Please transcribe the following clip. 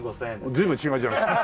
随分違うじゃないですか。